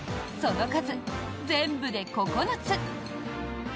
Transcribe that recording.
その数、全部で９つ。